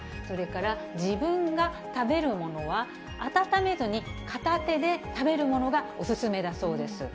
それから、自分が食べるものは温めずに、片手で食べるものがお勧めだそうです。